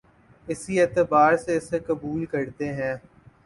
اسی اعتبار سے اسے قبول کرتے ہیں